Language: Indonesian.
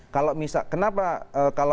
kalau misalnya kenapa kalau memang